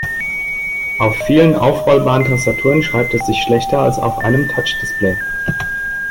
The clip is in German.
Auf vielen aufrollbaren Tastaturen schreibt es sich schlechter als auf einem Touchdisplay.